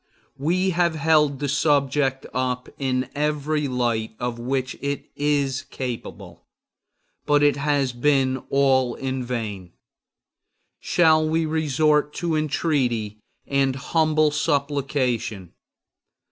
We have held the subject up in every light of which it is capable; but it has been all in vain. Shall we resort to entreaty and humble supplication?